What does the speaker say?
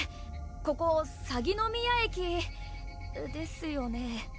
ここさぎの宮駅ですよね？